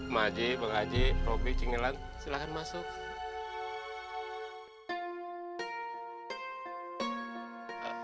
ma'ji bang haji robi cinggilan silahkan masuk